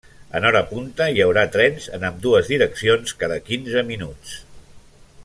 En hora punta, hi haurà trens en ambdues direccions cada quinze minuts.